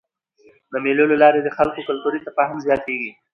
د مېلو له لاري د خلکو کلتوري تفاهم زیاتېږي.